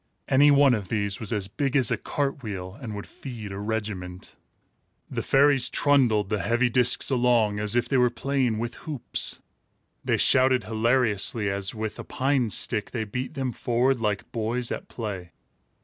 Any one of these was as big as a cart wheel, and would feed a regiment. The fairies trundled the heavy discs along, as if they were playing with hoops. They shouted hilariously, as, with a pine stick, they beat them forward like boys at play.